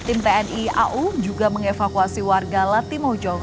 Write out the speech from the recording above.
tim tni au juga mengevakuasi warga latimojo